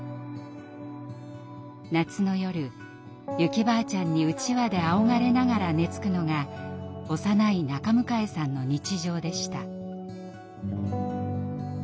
夏の夜ユキばあちゃんにうちわであおがれながら寝つくのが幼い中迎さんの日常でした。